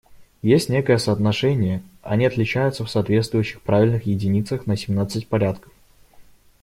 Есть некое соотношение, они отличаются в соответствующих правильных единицах на семнадцать порядков.